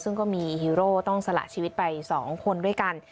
ซึ่งก็มีฮีโร่ต้องสละชีวิตไป๒คนด้วยกัน